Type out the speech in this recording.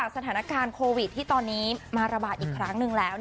สถานการณ์โควิดที่ตอนนี้มาระบาดอีกครั้งหนึ่งแล้ว